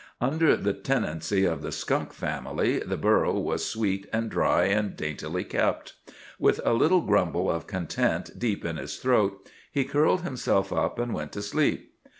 Under the tenancy of the skunk family the burrow was sweet and dry and daintily kept. With a little grumble of content deep in his throat he curled himself up and went to sleep.